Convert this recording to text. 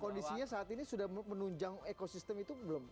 kondisinya saat ini sudah menunjang ekosistem itu belum